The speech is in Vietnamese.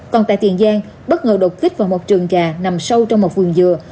còn tại tiền giang bất ngờ đột kích vào một trường gà nằm sâu trong một vườn dừa